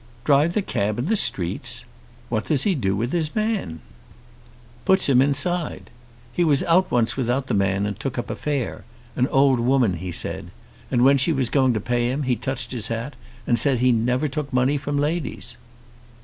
"Drive the cab in the streets! What does he do with his man?" "Puts him inside. He was out once without the man and took up a fare, an old woman, he said. And when she was going to pay him he touched his hat and said he never took money from ladies."